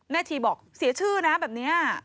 ทีบอกเสียชื่อนะแบบนี้